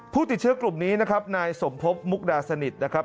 ผู้ติดเชื้อกลุ่มนี้นะครับนายสมพบมุกดาสนิทนะครับ